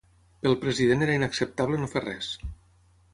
Pel president era inacceptable no fer res.